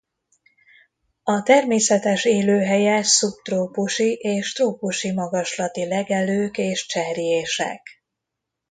A természetes élőhelye szubtrópusi és trópusi magaslati legelők és cserjések.